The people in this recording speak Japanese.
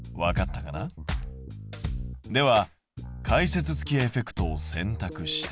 では解説付きエフェクトをせんたくして。